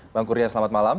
bang kurnia selamat malam